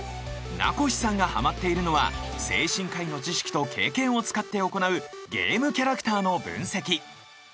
名越さんがハマっているのは精神科医の知識と経験を使って行うゲームキャラクターの分析。